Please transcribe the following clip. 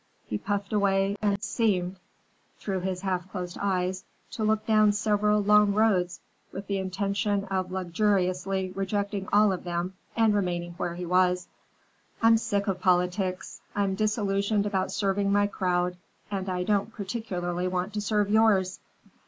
He puffed away and seemed, through his half closed eyes, to look down several long roads with the intention of luxuriously rejecting all of them and remaining where he was. "I'm sick of politics. I'm disillusioned about serving my crowd, and I don't particularly want to serve yours.